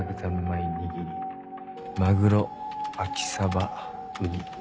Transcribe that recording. マグロ・秋サバ・ウニ。